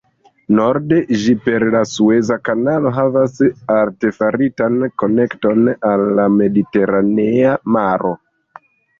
Norde ĝi per la Sueza kanalo havas artefaritan konekton al la Mediteranea Maro.